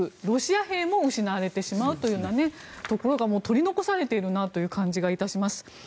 ロシア兵も失われてしまうというようなところが取り残されているなという感じがいたします。